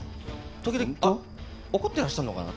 時々怒ってらっしゃるのかな。